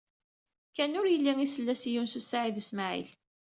Ken ur yelli isell-as i Yunes u Saɛid u Smaɛil.